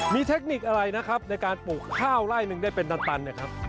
มีเทคนิคอะไรนะครับในการปลูกข้าวไล่หนึ่งได้เป็นตันเนี่ยครับ